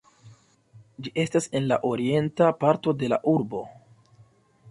Ĝi estas en la orienta parto de la urbo.